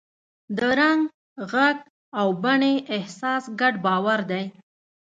د رنګ، غږ او بڼې احساس ګډ باور دی.